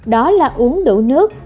đó là uống đủ nước